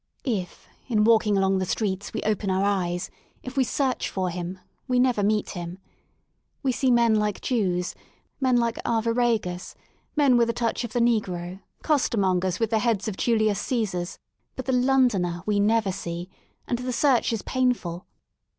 If, in walking along the streets we open our eyes> if we search for him, we never meet him. We see men like Jews, men like Arviragus, men with a touch of the negro, coster mongers with the heads of Julius Caesars, but the Londoner we never see — and the search is painful.